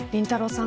さん